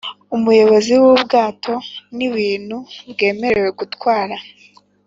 umuyobozi w’ubwato, n’ibintu bwemerewe gutwara;